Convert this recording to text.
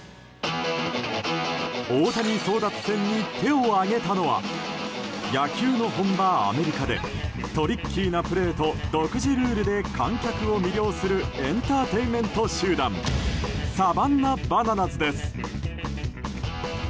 大谷争奪戦に手を上げたのは野球の本場、アメリカでトリッキーなプレーと独自ルールで観客を魅了するエンターテインメント集団サバンナ・バナナズです。